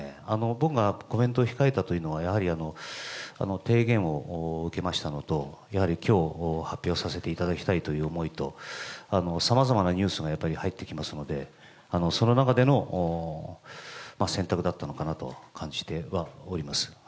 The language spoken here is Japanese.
僕がコメントを控えたというのは、やはり提言を受けましたのと、やはりきょう、発表させていただきたいという思いと、さまざまなニュースがやっぱり入ってきますので、その中での選択だったのかなと感じてはおります。